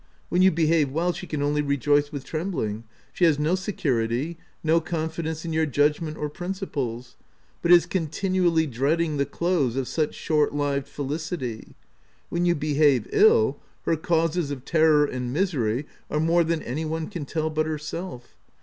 When you behave well, she can only rejoice with trembling ; she has no security, no confi dence in your judgment or principles; but is continually dreading the close of such short lived felicity : when you behave ill, her causes of terror and misery are more than any one can tell but herself.